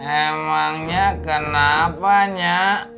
emangnya kenapa nyak